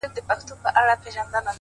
o گامېښه د گل په بوی څه پوهېږي.